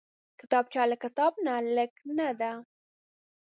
کتابچه له کتاب نه لږ نه ده